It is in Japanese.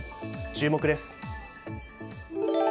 注目です。